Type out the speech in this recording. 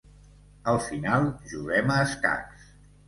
Al final, juguem a escacs.